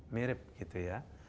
mirip gitu ya